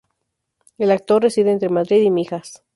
El actor reside entre Madrid y Mijas.